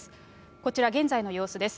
こちら、現在の様子です。